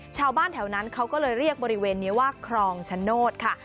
ชาวบ้านแถวนั้นเขาก็เลยเรียกบริเวณนี้ว่าครองชโนธค่ะ